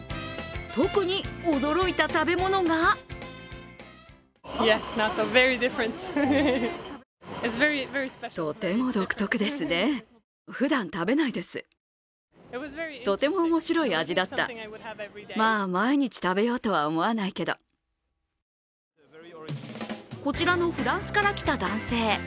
特に驚いた食べ物がこちらのフランスから来た男性。